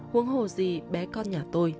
huống hồ gì bé con nhà tôi